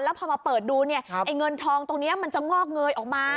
แล้วพอมาเปิดดูเงินทองตรงนี้มันจะงอกเงยออกมา